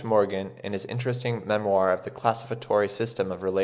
Morgan, in his interesting memoir of the classificatory system of relationship.